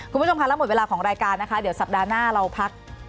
คุณผู้ชมค่ะแล้วหมดเวลาของรายการนะคะเดี๋ยวสัปดาห์หน้าเราพัก